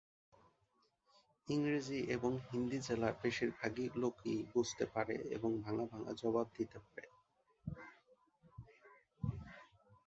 ইংরেজি এবং হিন্দি জেলার বেশিরভাগ লোকই বুঝতে পারে এবং ভাঙ্গা ভাঙ্গা জবাব দিতে পারে।